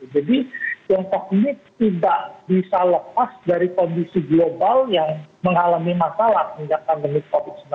jadi tiongkok ini tidak bisa lepas dari kondisi global yang mengalami masalah hingga pandemi covid sembilan belas